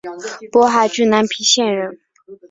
勃海郡南皮县人。